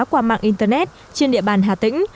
qua mạng internet trên địa bàn hà tĩnh